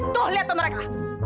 tuh liat tuh mereka